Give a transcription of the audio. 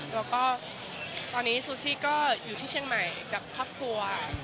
แล้วก็ตอนนี้ซูซี่ก็อยู่ที่เชียงใหม่กับครอบครัว